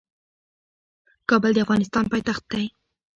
کابل د افغانستان پايتخت دي.